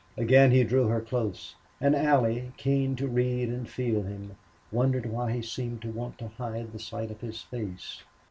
Again he drew her close. And Allie, keen to read and feel him, wondered why he seemed to want to hide the sight of his face.